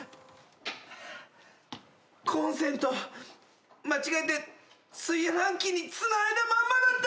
コンセント間違えて炊飯器につないだまんまだった！